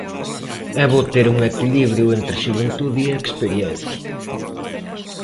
É bo ter un equilibrio entre xuventude e experiencia.